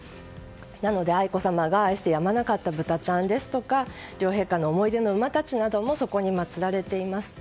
なので、愛子さまが愛してやまなかったぶたちゃんですとか両陛下の思い出の馬たちなどもそこに祭られています。